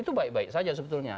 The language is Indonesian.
itu baik baik saja sebetulnya